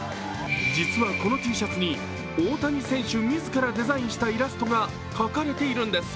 実はこのＴシャツに大谷選手自らデザインしたイラストが描かれているんです。